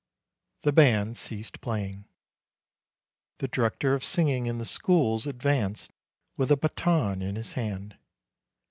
The band ceased playing. The director of singing in the schools advanced with a baton in his hand.